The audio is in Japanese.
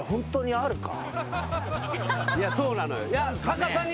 いやそうなのよ。